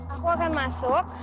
aku akan masuk